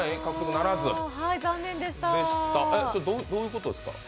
どういうことですか？